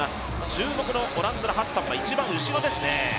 注目のオランダのハッサンは一番後ろですね。